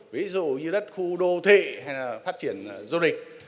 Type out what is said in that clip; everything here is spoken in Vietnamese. ví dụ như đất khu đô thị hay là phát triển du lịch